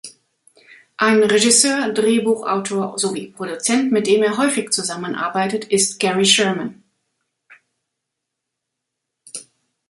Ein Regisseur, Drehbuchautor sowie Produzent mit dem er häufig zusammenarbeitet ist Gary Sherman.